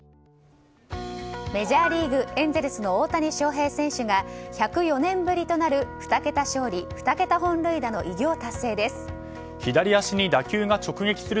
メジャーリーグエンゼルスの大谷翔平選手が１０４年ぶりとなる２桁勝利２桁本塁打の偉業達成です。